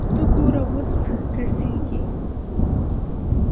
ته ګوره اوس کسږي